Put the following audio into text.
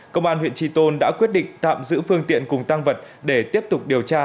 công an huyện tri tôn đã quyết định tạm giữ phương tiện cùng tăng vật để tiếp tục điều tra